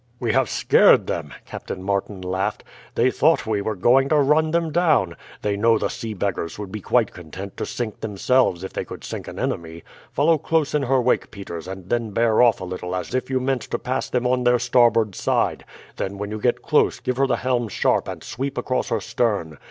"We have scared them," Captain Martin laughed. "They thought we were going to run them down. They know the sea beggars would be quite content to sink themselves if they could sink an enemy. Follow close in her wake, Peters, and then bear off a little as if you meant to pass them on their starboard side; then when you get close give her the helm sharp and sweep across her stern.